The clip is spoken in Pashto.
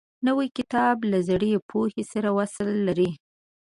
نوی کتاب له زړې پوهې سره وصل لري